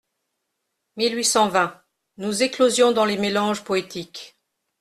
Mil huit cent vingt ! Nous éclosions Dans les mélanges poétiques .